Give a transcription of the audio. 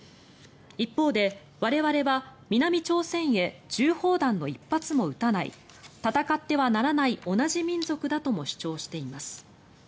一方で、我々は南朝鮮へ銃砲弾の１発も撃たない戦ってはならない同じ民族だとも主張しています。